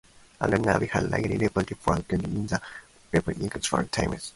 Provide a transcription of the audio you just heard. The Navy was largely responsible for stability in the region in those times.